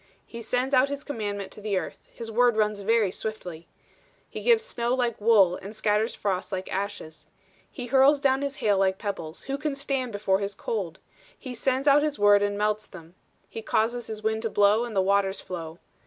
He sendeth out his commandment upon earth; his word runneth very swiftly. He giveth snow like wool; he scattereth the hoar frost like ashes. He casteth forth his ice like morsels: who can stand before his cold? He sendeth out his word, and melteth them: he causeth his wind to blow, and the waters flow.